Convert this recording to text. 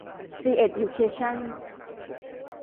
ซีเอ็ดยูเคชั่น